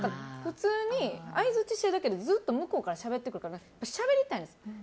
普通に相槌してるだけで向こうからしゃべってくるからしゃべりたいんですよ。